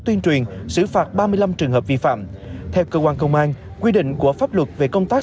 tuyên truyền xử phạt ba mươi năm trường hợp vi phạm theo cơ quan công an quy định của pháp luật về công tác